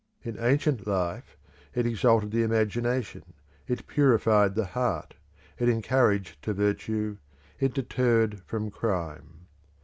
In ancient life it exalted the imagination, it purified the heart, it encouraged to virtue, it deterred from crime.